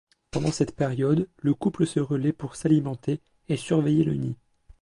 Pendant cette période le couple se relaie pour s'alimenter et surveiller le nid.